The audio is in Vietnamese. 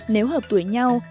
nếu hợp tuổi nhau